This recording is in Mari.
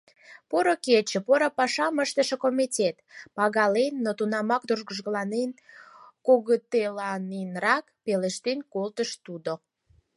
— Поро кече, поро пашам ыштыше комитет! — пагален, но тунамак тургыжланен, кокытеланенрак пелештен колтыш тудо.